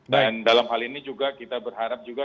dan dalam hal ini juga kita berharap juga